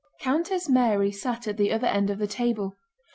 Countess Mary sat at the other end of the table.